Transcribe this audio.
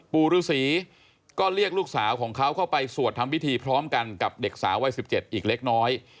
ปู่ฤษีก็เรียกลูกสาวของเขาเข้าไปสวดทำพิธีพร้อมกันกับเด็กสาววัย๑๗อีกเล็กน้อย